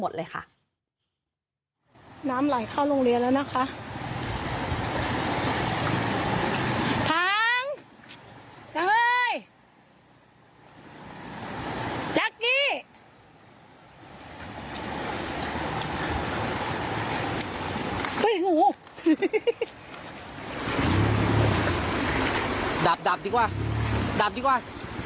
ดับดีกว่าดับดีกว่า